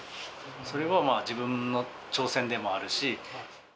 それが自分の挑戦でもあるし。